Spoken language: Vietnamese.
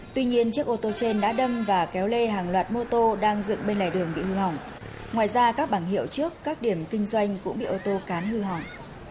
tuy nhiên chiếc ô tô trên đã đâm và kéo lê hàng loạt mô tô đang dựng bên lề đường bị hư hỏng ngoài ra các bảng hiệu trước các điểm kinh doanh cũng bị ô tô cán hư hỏng